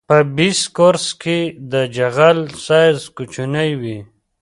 په بیس کورس کې د جغل سایز کوچنی وي